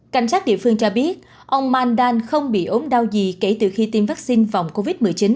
cảnh sát địa phương cho biết ông mandan không bị ốm đau gì kể từ khi tiêm vaccine phòng covid một mươi chín